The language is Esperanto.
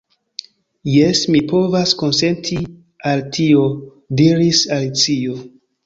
"Jes, mi povas konsenti al tio," diris Alicio.